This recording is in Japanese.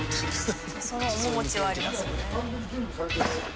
その面持ちはありますよね。